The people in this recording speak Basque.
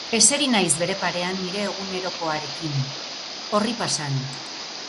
Eseri naiz bere parean nire egunerokoarekin, orri pasan.